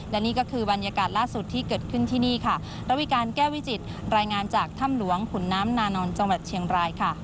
และนี่ก็คือบรรยากาศล่าสุดที่เกิดขึ้นที่นี่ค่ะระวิการแก้วิจิตรายงานจากถ้ำหลวงขุนน้ำนานอนจังหวัดเชียงรายค่ะ